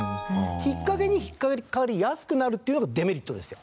引っかけに引っかかりやすくなるっていうのがデメリットですよ。